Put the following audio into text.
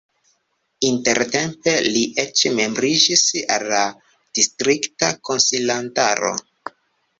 Intertempe li eĉ membriĝis al la distrikta konsilantaro.